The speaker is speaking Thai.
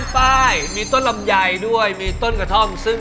เป้อ